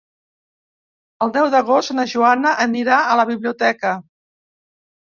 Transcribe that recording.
El deu d'agost na Joana anirà a la biblioteca.